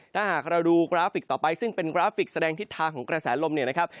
ถ้าหากเราดูกราฟิกต่อไปซึ่งเป็นกราฟิกแสดงทิศทางของกระแสลมเนี่ยนะครับ